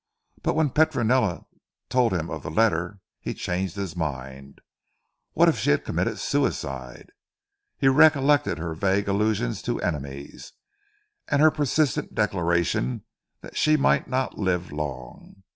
But when Petronella told him of the letter he changed his mind. What if she had committed suicide? He recollected her vague allusions to enemies, and her persistent declaration that she might not live long.